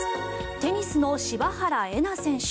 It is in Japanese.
テニスの柴原瑛菜選手